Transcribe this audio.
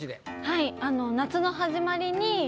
はい。